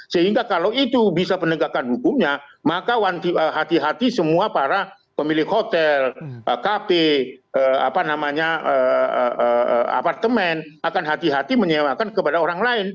sehingga kalau itu bisa penegakan hukumnya maka hati hati semua para pemilik hotel kafe apartemen akan hati hati menyewakan kepada orang lain